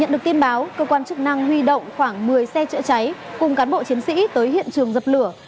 nhận được tin báo cơ quan chức năng huy động khoảng một mươi xe chữa cháy cùng cán bộ chiến sĩ tới hiện trường dập lửa